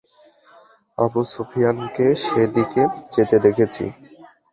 আবু সুফিয়ানকে সেদিকে যেতে দেখেছি।